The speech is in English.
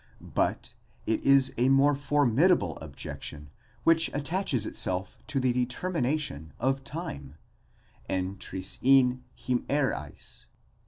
But it is a more formidable objection which attaches itself to the determination of time, ἐν τρισὶν ἡμέραις.